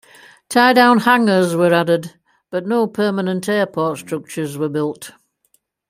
Tie-down hangars were added, but no permanent airport structures were built.